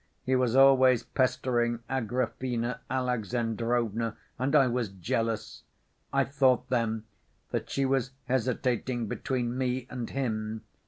He was always pestering Agrafena Alexandrovna, and I was jealous; I thought then that she was hesitating between me and him.